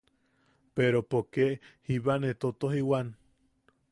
Pero poke jiba ne totojiwan.